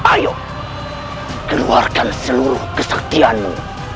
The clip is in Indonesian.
ayo keluarkan seluruh kesaktianmu